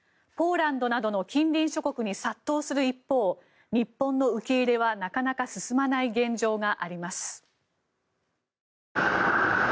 ポーランドなどの近隣諸国に殺到する一方日本の受け入れはなかなか進まない現状があります。